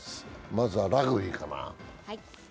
まずはラグビーかな。